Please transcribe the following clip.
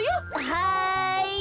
はい！